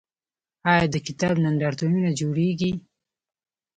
آیا د کتاب نندارتونونه جوړیږي؟